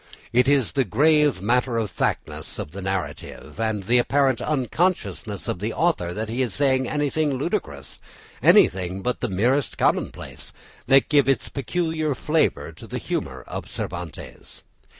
It is the grave matter of factness of the narrative, and the apparent unconsciousness of the author that he is saying anything ludicrous, anything but the merest commonplace, that give its peculiar flavour to the humour of Cervantes.